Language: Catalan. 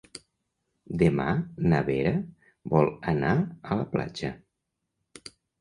Demà na Vera vol anar a la platja.